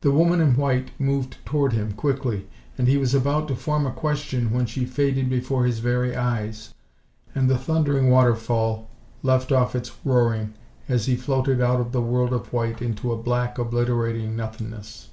The woman in white moved toward him, quickly, and he was about to form a question when she faded before his very eyes, and the thundering waterfall left off its roaring as he floated out of the world of white into a black, obliterating nothingness.